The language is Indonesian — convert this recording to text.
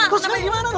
terus kayak gimana lo